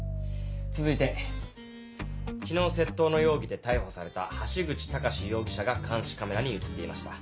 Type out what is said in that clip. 続いて昨日窃盗の容疑で逮捕された橋口志容疑者が監視カメラに写っていました。